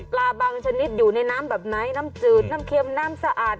บางชนิดอยู่ในน้ำแบบไหนน้ำจืดน้ำเค็มน้ำสะอาด